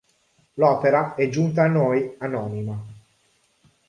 L'opera è giunta a noi anonima.